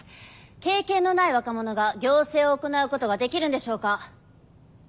経験のない若者が行政を行うことができるんでしょうか。